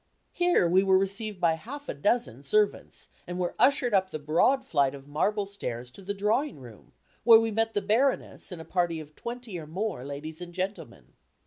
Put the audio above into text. Here we were received by half a dozen servants, and were ushered up the broad flight of marble stairs to the drawing room, where we met the Baroness and a party of twenty or more ladies and gentlemen.